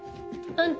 あんた。